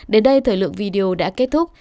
đến đây thời lượng video đã kết thúc